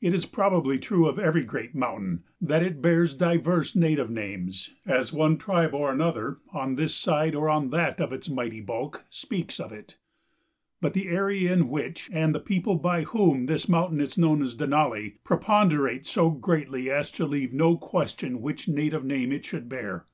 It is probably true of every great mountain that it bears diverse native names as one tribe or another, on this side or on that of its mighty bulk, speaks of it. But the area in which, and the people by whom, this mountain is known as Denali, preponderate so greatly as to leave no question which native name it should bear.